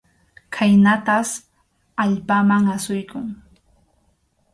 Khaynatas allpaman asuykun.